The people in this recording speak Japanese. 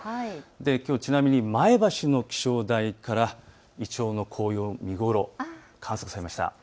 きょう、ちなみに前橋の気象台からイチョウの黄葉の見頃、観測されました。